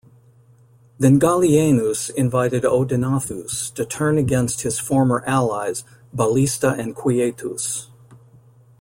Then Gallienus invited Odenathus to turn against his former allies, Ballista and Quietus.